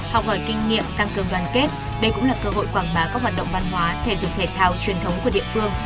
học hỏi kinh nghiệm tăng cường đoàn kết đây cũng là cơ hội quảng bá các hoạt động văn hóa thể dục thể thao truyền thống của địa phương